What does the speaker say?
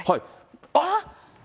あっ！